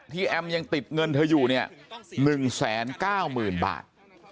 แอมยังติดเงินเธออยู่เนี่ย๑๙๐๐๐บาท